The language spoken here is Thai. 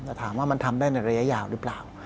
แต่ถามว่ามันทำได้ในระยะยาวหรือเปล่า